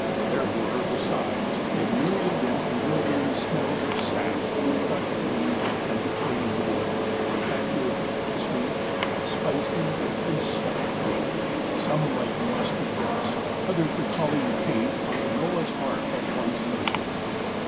There were, besides, the myriad and bewildering smells of sap, crushed leaves, and decaying wood; acrid, sweet, spicy, and suffocating, some like musty books, others recalling the paint on the Noah's Ark of one's nursery.